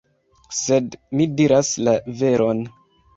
Sed mi diras la veron!